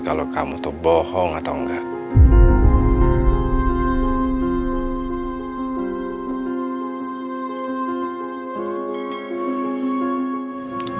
kalau kamu tuh bohong atau enggak